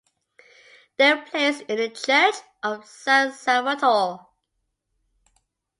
They were placed in the church of San Salvatore.